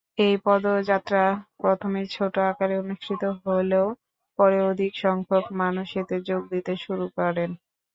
এই পদযাত্রা প্রথমে ছোটো আকারে অনুষ্ঠিত হলেও পরে অধিক সংখ্যক মানুষ এতে যোগ দিতে শুরু করেন।